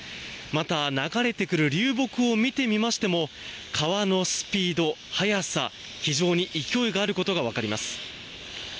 また流れてくる流木を見てみましても川のスピード、速さ非常に勢いがあることが分かります。